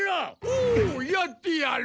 おおやってやる！